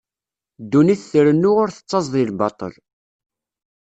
Ddunit trennu ur tettaẓ di lbaṭel.